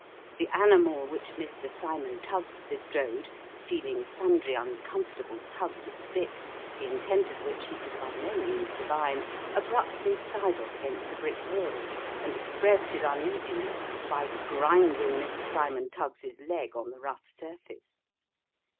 The animal which Mr. Cymon Tuggs bestrode, feeling sundry uncomfortable tugs at the bit, the intent of which he could by no means divine, abruptly sidled against a brick wall, and expressed his uneasiness by grinding Mr. Cymon Tuggs's legs on the rough surface.